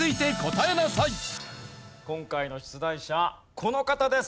今回の出題者はこの方です。